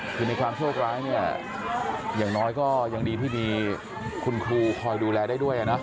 คือในความโชคร้ายเนี่ยอย่างน้อยก็ยังดีที่มีคุณครูคอยดูแลได้ด้วยนะ